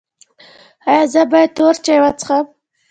ایا زه باید تور چای وڅښم؟